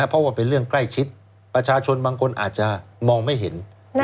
เพราะว่าเป็นเรื่องใกล้ชิดประชาชนบางคนอาจจะมองไม่เห็น